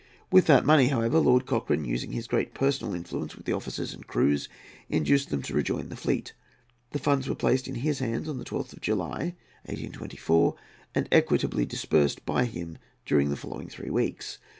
With that money, however, Lord Cochrane, using his great personal influence with the officers and crews, induced them to rejoin the fleet. The funds were placed in his hands on the 12th of July, 1824, and equitably disbursed by him during the following three weeks.